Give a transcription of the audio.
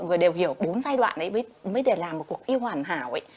người đều hiểu bốn giai đoạn ấy mới để làm một cuộc yêu hoàn hảo ấy